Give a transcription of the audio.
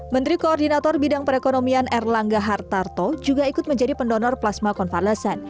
menteri koordinator bidang perekonomian erlangga hartarto juga ikut menjadi pendonor plasma konvalesen